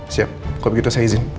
siap kok begitu saya izin